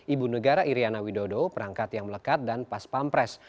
ibu negara iriana widodo perangkat yang melekat dan paspampres